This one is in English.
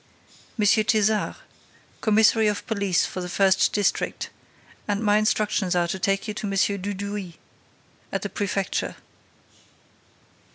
"M. Thézard, commissary of police of the first district; and my instructions are to take you to M. Dudouis, at the prefecture."